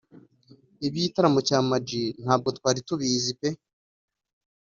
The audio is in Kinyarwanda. Iby’igitaramo cya Ama G ntabwo twari tubizi pe